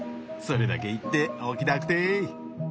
それだけ言っておきたくて。